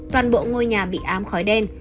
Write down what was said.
toàn bộ ngôi nhà bị ám khói đen